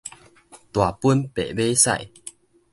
大本白馬屎